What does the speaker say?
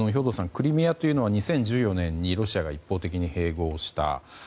クリミアは２０１４年にロシアが一方的に併合をした。